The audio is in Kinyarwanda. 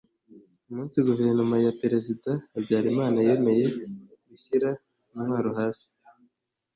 umunsi guverinoma ya perezida habyarimana yemeye gushyira intwaro hasi